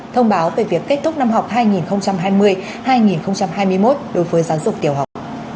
thông báo về việc kết thúc năm học hai nghìn hai mươi hai nghìn hai mươi một đối với giáo dục tiểu học